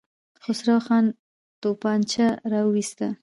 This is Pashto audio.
خسرو خان توپانچه را وايسته.